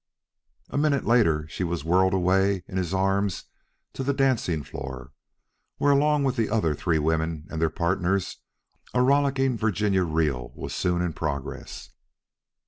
A minute later she was whirled away in his arms to the dancing floor, where, along with the other three women and their partners, a rollicking Virginia reel was soon in progress.